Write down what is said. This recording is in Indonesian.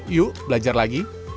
yuk belajar lagi